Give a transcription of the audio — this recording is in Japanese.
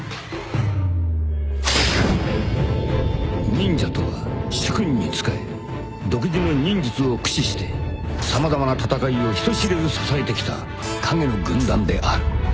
［忍者とは主君に仕え独自の忍術を駆使して様々な戦いを人知れず支えてきた影の軍団である］